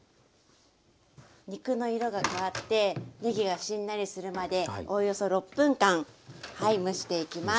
肉の色が変わってねぎがしんなりするまでおおよそ６分間はい蒸していきます。